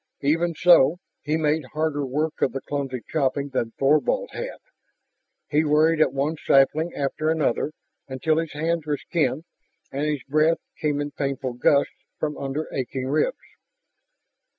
Even so, he made harder work of the clumsy chopping than Thorvald had. He worried at one sapling after another until his hands were skinned and his breath came in painful gusts from under aching ribs.